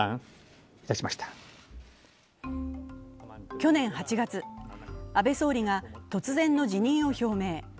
去年８月、安倍総理が突然の辞任を表明。